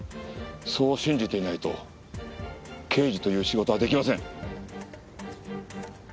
そう信じていないと刑事という仕事は出来ません。